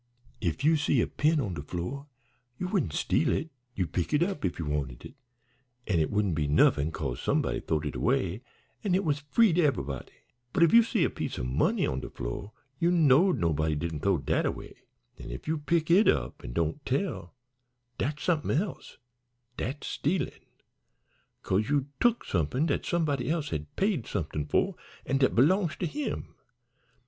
If you see a pin on de fl'or you wouldn't steal it, you'd pick it up if you wanted it, an' it wouldn't be nuffin, 'cause somebody th'owed it away an' it was free to eve'body; but if you see a piece o' money on de fl'or, you knowed nobody didn't th'ow dat away, an' if you pick it up an' don't tell, dat's somethin' else dat's stealin', 'cause you tuk somethin' dat somebody else has paid somethin' for an' dat belongs to him.